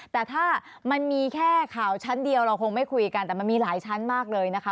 แต่ถ้ามันมีแค่ข่าวชั้นเดียวเราคงไม่คุยกันแต่มันมีหลายชั้นมากเลยนะคะ